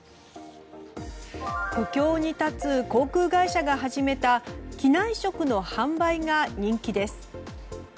苦境に立つ航空会社が始めた機内食の販売が人気です。